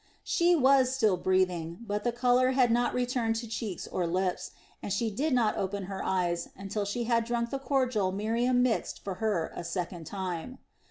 She was still breathing, but the color had not returned to cheeks or lips, and she did not open her eyes until she had drunk the cordial Miriam mixed for her a second time.